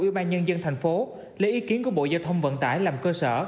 ủy ban nhân dân thành phố lấy ý kiến của bộ giao thông vận tải làm cơ sở